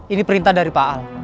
ini perintah dari pak al